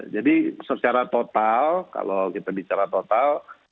jadi secara total kalau kita bicara total